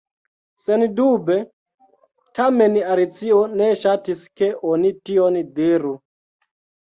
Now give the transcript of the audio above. Sendube! Tamen Alicio ne ŝatis ke oni tion diru.